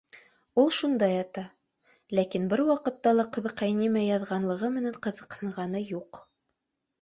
Ул шунда ята, ләкин бер ваҡытта ла ҡыҙыҡай нимә яҙған лығы менән ҡыҙыҡһынғаны юҡ